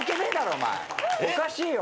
おかしいよ。